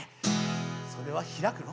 それは開くの？